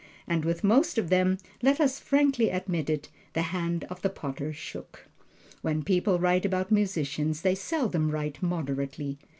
And with most of them, let us frankly admit it, the hand of the Potter shook. When people write about musicians, they seldom write moderately.